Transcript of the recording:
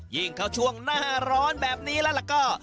ยิ่งเข้าช่วงหน้าร้อนแบบนี้แล้วก็